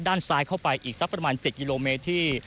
ด้านซ้ายเข้าไปอีกสักประมาณ๗กิโลเมตรที่